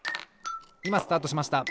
いまスタートしました。